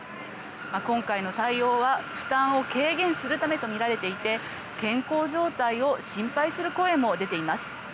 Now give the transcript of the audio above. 今回の対応は負担を軽減するためとみられていて健康状態を心配する声も出ています。